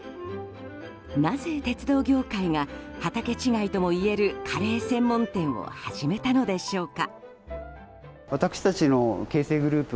なぜ鉄道業界が畑違いともいえるカレー専門店を始めたのでしょうか。